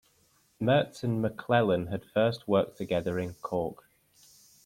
Merz and McLellan had first worked together in Cork.